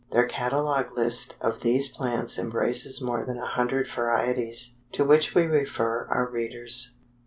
Their catalogue list of these plants embraces more than a hundred varieties, to which we refer our readers.